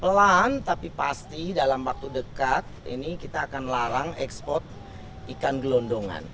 pelan tapi pasti dalam waktu dekat ini kita akan larang ekspor ikan gelondongan